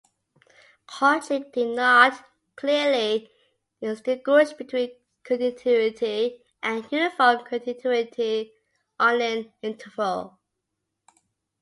Cauchy did not clearly distinguish between continuity and uniform continuity on an interval.